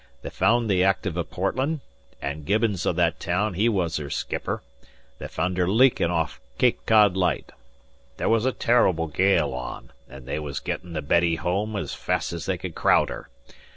They fund the Active o' Portland, an' Gibbons o' that town he was her skipper; they fund her leakin' off Cape Cod Light. There was a terr'ble gale on, an' they was gettin' the Betty home 's fast as they could craowd her.